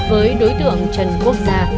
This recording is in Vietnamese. với đối tượng trần quốc gia